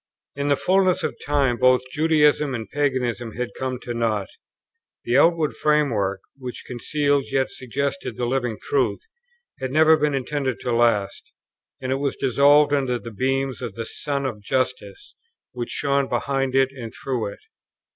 In the fulness of time both Judaism and Paganism had come to nought; the outward framework, which concealed yet suggested the Living Truth, had never been intended to last, and it was dissolving under the beams of the Sun of Justice which shone behind it and through it.